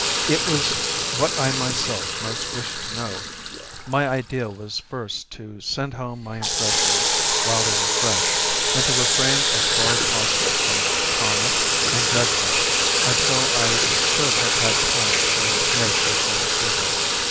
It was what I myself most wished to know. My idea was first to send home my impressions while they were fresh, and to refrain as far as possible from comment and judgment until I should have had time to make a fuller survey.